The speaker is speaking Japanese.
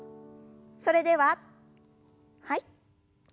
それでははい。